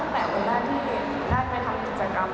แต่เป็นหน้าที่น่าจะไปทำกิจกรรม